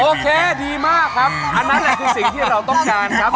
โอเคดีมากครับอันนั้นแหละคือสิ่งที่เราต้องการครับ